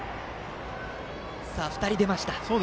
２人、出ました。